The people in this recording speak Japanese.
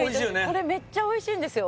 これメッチャおいしいんですよ